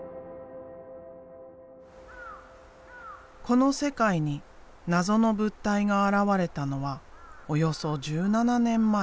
この世界に謎の物体が現れたのはおよそ１７年前。